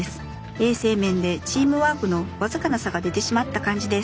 衛生面でチームワークの僅かな差が出てしまった感じです。